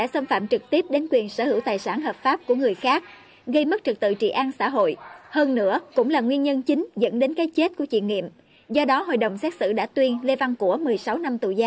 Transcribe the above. xin chào và hẹn gặp lại